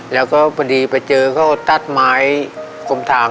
แล้วก็บางทีเจอก็ตัดไม้กล่อเทียบฐาน